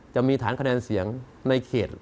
จะมีฐานคะแนนเสียงในเขต